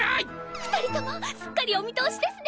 二人ともすっかりお見通しですね！